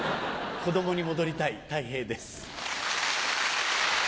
子供に戻りたいたい平です。